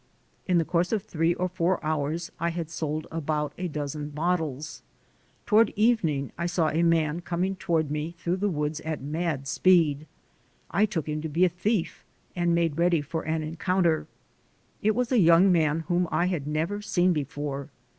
In the course of three or four hours I had sold about a dozen bottles. Toward evening I saw a man coming toward me through the woods at mad speed. I took him to be a thief, and made ready for an encounter. It was a young man whom I had never seen before.